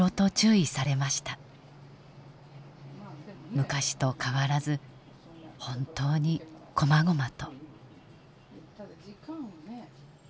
昔と変わらず本当にこまごまと。